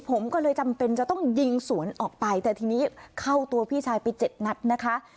ผมก็เลยจำเป็นจะต้องยิงสวนออกไปแต่ทีนี้เข้าตัวพี่ชายไปเจ็ดนัดนะคะ